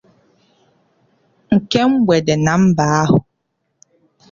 nke mgbede na mba ahụ.